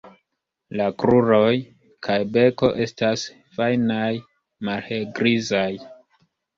La kruroj kaj beko estas fajnaj, malhelgrizaj.